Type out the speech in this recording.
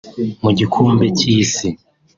Mu gikombe cy’Isi